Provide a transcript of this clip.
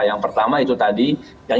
yang pertama itu tadi yang